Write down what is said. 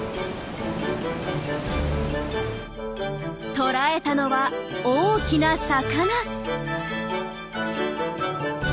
捕らえたのは大きな魚。